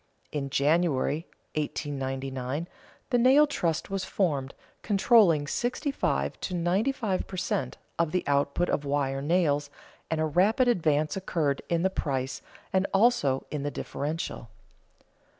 In January, 1899, the nail trust was formed, controlling sixty five to ninety five per cent. of the output of wire nails, and a rapid advance occurred in the price and also in the differential.